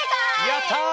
やった！